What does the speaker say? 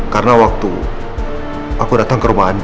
karena waktu aku datang ke rumah andin